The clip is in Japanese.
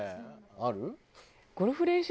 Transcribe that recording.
ある？